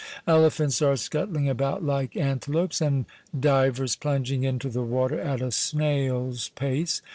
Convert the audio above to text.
Ele phants are scuttling about like antelopes and divers plunging into the water at a snail's pace.